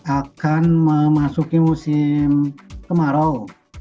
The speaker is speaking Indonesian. akan memasuki musim kemarau